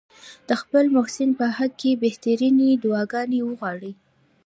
د خپل محسن په حق کې بهترینې دعاګانې وغواړي.